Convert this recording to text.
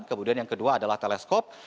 kemudian yang kedua adalah teleskop